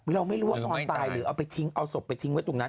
เราไม่รู้ว่านอนตายหรือเอาไปทิ้งเอาศพไปทิ้งไว้ตรงนั้น